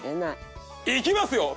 いきますよ！